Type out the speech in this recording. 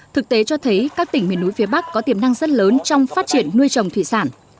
thực tế cho thấy các tỉnh miền núi phía bắc có tiềm năng rất lớn trong phát triển nuôi trồng thủy sản